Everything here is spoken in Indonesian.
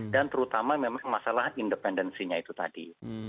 dan terutama memang masalah independensinya itu tadi